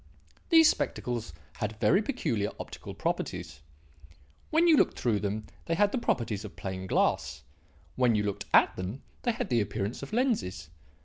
These spectacles had very peculiar optical properties. When you looked through them they had the properties of plain glass; when you looked at them they had the appearance of lenses.